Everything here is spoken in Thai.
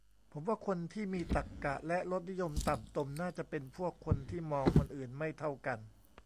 ผมว่าคนที่มีตรรกะและรสนิยมต่ำตมน่าจะเป็นพวกคนที่มองคนอื่นไม่เท่ากัน